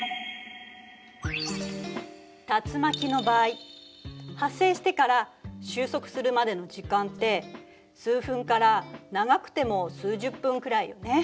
竜巻の場合発生してから収束するまでの時間って数分から長くても数十分くらいよね。